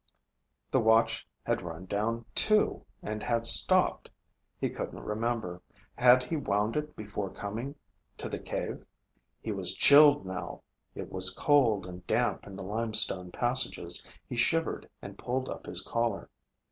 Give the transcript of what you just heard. The watch had run down, too, and had stopped. He couldn't remember. Had he wound it before coming to the cave? He was chilled now. It was cold and damp in the limestone passages. He shivered and pulled up his collar.